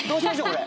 これ。